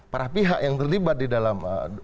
para pihak yang terlibat di dalam